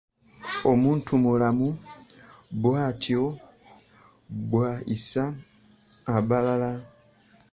Omuntumulamu bwatyo bw'ayisa abalala.